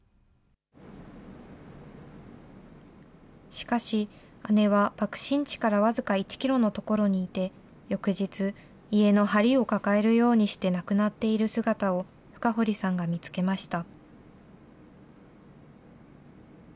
しかし、姉は爆心地から僅か１キロの所にいて、翌日、家のはりを抱えるようにして亡くなっている姿を深堀さんが見つけました。